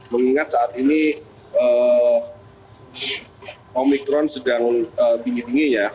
mengingat saat ini omicron sedang bingit bingit ya